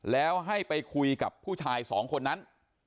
แล้วให้ไปคุยกับผู้ชายสองคนนั้น